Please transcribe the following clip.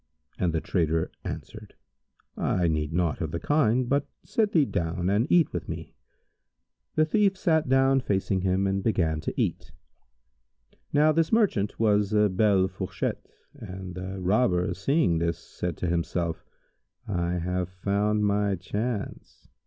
and the trader answered, "I need naught of the kind, but sit thee down and eat with me." The thief sat down facing him and began to eat. Now this merchant was a belle fourchette, and the Robber seeing this, said to himself, "I have found my chance."